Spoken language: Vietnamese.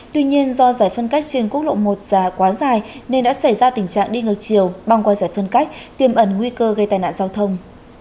tuy nhiên do giải phân cách trên quốc lộ một già quá dài nên đã xảy ra tình trạng đi ngược chiều băng qua giải phân cách tiêm ẩn nguy cơ gây tai nạn giao thông